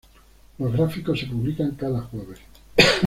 Los gráficos se publican cada jueves.